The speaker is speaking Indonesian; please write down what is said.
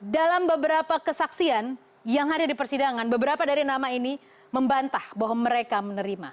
dalam beberapa kesaksian yang ada di persidangan beberapa dari nama ini membantah bahwa mereka menerima